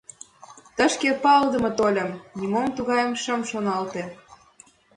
Тышке палыде тольым... нимом тугайым шым шоналте...